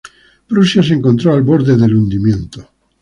Prusia se encontró al borde del hundimiento.